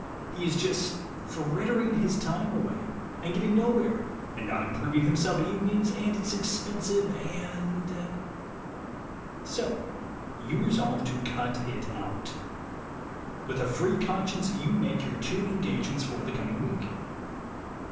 He is just frittering his time away, and getting nowhere, and not improving himself evenings, and it's expensive, and — So you resolve to cut it out. With a free con science you make your two engagements for the coming week.